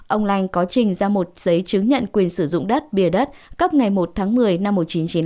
ông lanh có trình ra một giấy chứng nhận quyền sử dụng đất bìa đất cấp ngày một tháng một mươi năm một nghìn chín trăm chín mươi năm